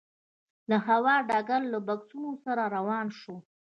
له هوايي ډګره له بکسونو سره روان شوو.